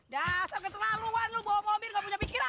dasar keterlaluan lo bawa mobil nggak punya pikiran